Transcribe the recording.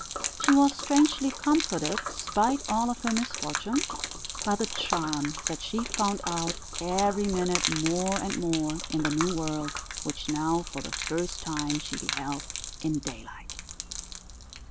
She was strangely comforted, spite of all her misfortune, by the charm that she found out, every minute more and more, in the new world which now for the first time she beheld in daylight.